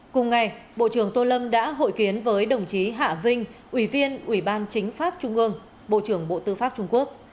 cùng ngày bộ trưởng tô lâm đã hội kiến với đồng chí hạ vinh ủy viên ủy ban chính pháp trung ương bộ trưởng bộ tư pháp trung quốc